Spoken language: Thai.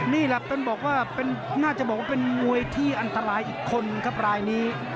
นี่แหละต้องบอกว่าน่าจะบอกว่าเป็นมวยที่อันตรายอีกคนครับรายนี้